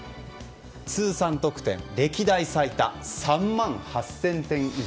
通算得点歴代最多３万８０００点以上。